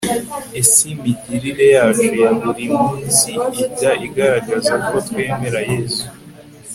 ese imigirire yacu ya buri munsi ijya igaragazako twemera yezu